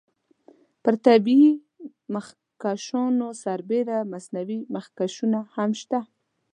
پر طبیعي مخکشونو سربیره مصنوعي مخکشونه هم شته.